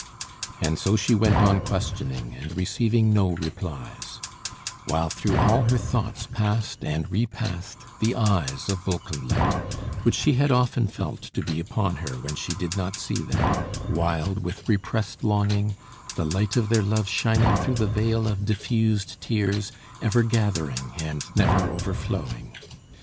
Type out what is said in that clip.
And so she went on questioning, and receiving no replies; while through all her thoughts passed and repassed the eyes of Wolkenlicht, which she had often felt to be upon her when she did not see them, wild with repressed longing, the light of their love shining through the veil of diffused tears, ever gathering and never overflowing.